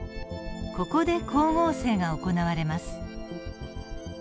ここで光合成が行われます。